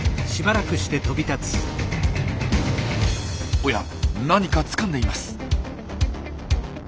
おや何かつかんでいます。